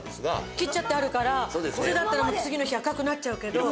切っちゃってあるから普通だったら次の日赤くなっちゃうけど。